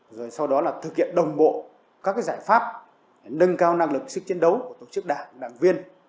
rồi sau đó là thực hiện đồng bộ các giải pháp nâng cao năng lực sức chiến đấu của tổ chức đảng đảng viên